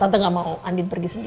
tante gak mau andin pergi sendiri